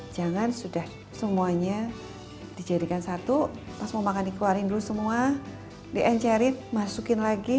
jangan sudah semuanya dijadikan satu pas mau makan dikeluarin dulu semua diencerin masukin lagi